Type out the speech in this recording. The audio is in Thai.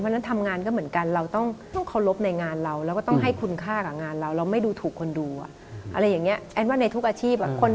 เพราะฉะนั้นทำงานก็เหมือนกัน